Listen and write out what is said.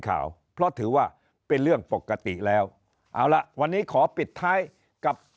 ข่าวเพราะถือว่าเป็นเรื่องปกติแล้วเอาละวันนี้ขอปิดท้ายกับ